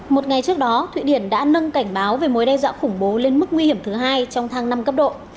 một ngày trước đó thụy điển đã nâng cảnh báo về mối đe dọa khủng bố lên mức nguy hiểm thứ hai trong tháng năm cấp độ